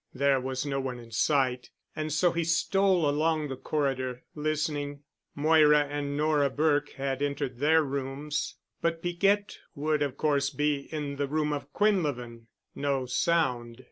There was no one in sight and so he stole along the corridor, listening. Moira and Nora Burke had entered their rooms. But Piquette would of course be in the room of Quinlevin. No sound.